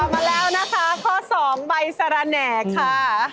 ออกมาแล้วนะคะข้อ๒ใส่ละแหน่ค่ะ